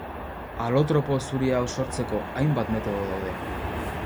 Alotropo zuri hau sortzeko hainbat metodo daude.